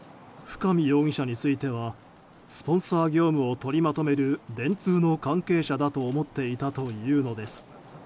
深見容疑者についてはスポンサー業務を取りまとめる電通の関係者だと思っていたというのです。